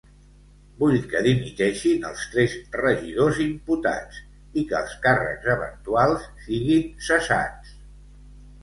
Vull que dimiteixin els tres regidors imputats i que els càrrecs eventuals siguin cessats.